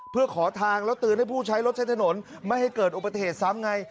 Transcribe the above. เพื่อขอทางแล้วเตือนให้ผู้ใช้รถใช้ถนนไม่ให้เกิดอุบัติเหตุซ้ำไง